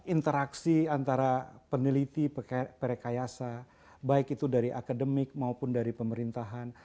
interaksi antara peneliti perekayasa baik itu dari akademik maupun dari pemerintahan